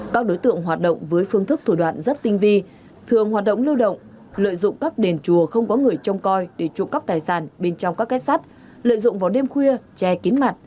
các đối tượng hoạt động với phương thức thủ đoạn rất tinh vi thường hoạt động lưu động lợi dụng các đền chùa không có người trông coi để trộm cắp tài sản bên trong các kết sắt lợi dụng vào đêm khuya che kín mặt